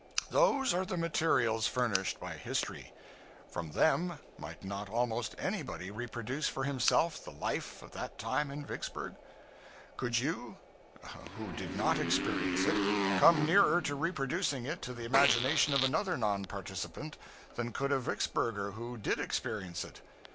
Those are the materials furnished by history. From them might not almost anybody reproduce for himself the life of that time in Vicksburg? Could you, who did not experience it, come nearer to reproducing it to the imagination of another non participant than could a Vicksburger who did experience it?